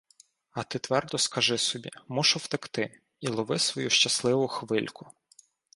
А ти твердо скажи собі: мушу втекти — і лови свою щасливу хвильку.